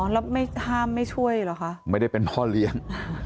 อ๋อแล้วห้ามไม่ช่วยเหรอคะ